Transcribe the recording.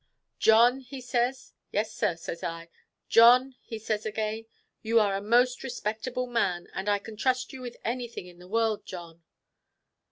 'John,' he says, 'Yes, Sir,' says I; 'John,' he says again, 'you are a most respectable man, and I can trust you with anything in the world, John.